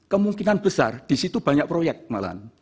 kemungkinan besar di situ banyak proyek malahan